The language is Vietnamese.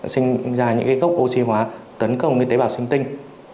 sinh ra những gốc oxy hóa tấn công tế bào sinh tinh